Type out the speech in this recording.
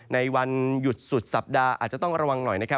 ในวันหยุดสุดสัปดาห์อาจจะต้องระวังหน่อยนะครับ